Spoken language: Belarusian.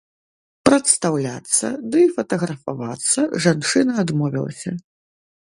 Прадстаўляцца ды фатаграфавацца жанчына адмовілася.